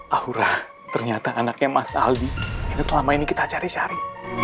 aurah ternyata anaknya mas aldi yang selama ini kita cari cari